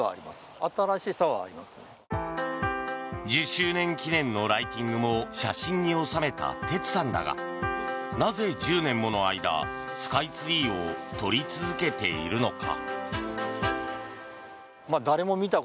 １０周年記念のライティングも写真に収めた哲さんだがなぜ、１０年もの間スカイツリーを撮り続けているのか。